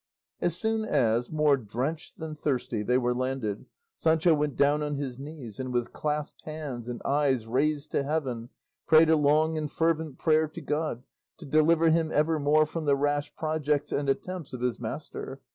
As soon as, more drenched than thirsty, they were landed, Sancho went down on his knees and with clasped hands and eyes raised to heaven, prayed a long and fervent prayer to God to deliver him evermore from the rash projects and attempts of his master.